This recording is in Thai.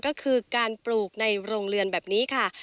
ก็คือการปลูกในโรงเรือนแบบนี้ค่ะ